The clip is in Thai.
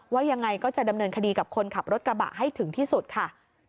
ว่ายังไงก็จะดำเนินคดีกับคนขับรถกระบะให้ถึงที่สุดค่ะ